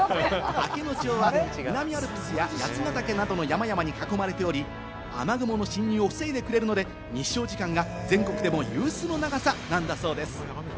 明野町は南アルプスや八ヶ岳などの山々に囲まれており、雨雲の侵入を防いでくれるので、日照時間が全国でも有数の長さなんだそうです。